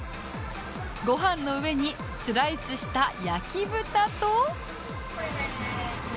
ご飯の上にスライスした焼豚と